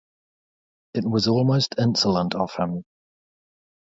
It was almost insolent of him.